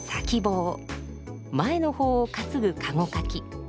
前の方を担ぐ駕籠かき。